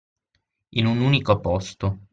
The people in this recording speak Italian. In un unico posto